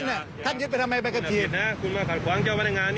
อย่าท่านยึดไปทำไมไบขับขี่